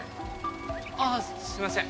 ああすいません